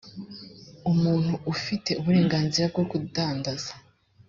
umuntu ufite uburenganzira bwo kudandaza